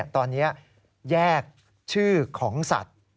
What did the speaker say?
ตอนนี้แยกชื่อของสัตว์